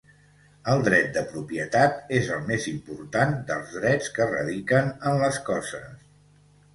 El Dret de propietat és el més important dels drets que radiquen en les coses.